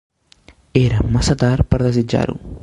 Era massa tard per desitjar-ho!